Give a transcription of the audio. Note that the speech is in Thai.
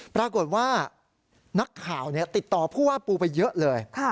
ปรากฏว่านักข่าวติดต่อผู้ว่าปูไปเยอะเลย